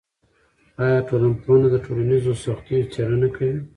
آیا ټولنپوهنه د ټولنیزو سختیو څیړنه کوي؟